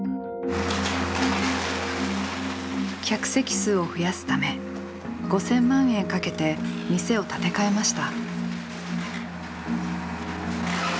客席数を増やすため５，０００万円かけて店を建て替えました。